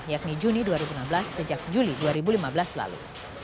yakni juni dua ribu enam belas sejak juli dua ribu lima belas lalu